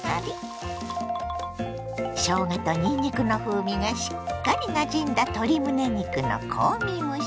しょうがとにんにくの風味がしっかりなじんだ鶏むね肉の香味蒸し。